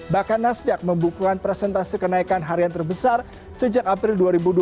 bahkan nasdaq membukukan presentasi kenaikan harian terbesar sejak april dua ribu dua puluh